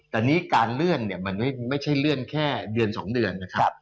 แต่นี้การเลื่อนมันไม่ใช่เลื่อนแค่เดือนสองเดือน